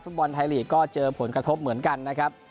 บอลไทยลีกก็เจอผลกระทบเหมือนกันนะครับ